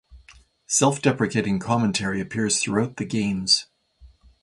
Self-deprecating commentary appears throughout the games.